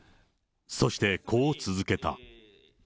そしてこう続けた。